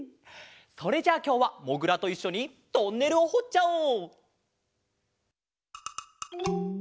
それじゃあきょうはもぐらといっしょにトンネルをほっちゃおう！